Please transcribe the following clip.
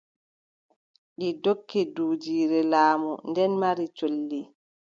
Ɗi ndokki duujiire laamu, nden mari colli.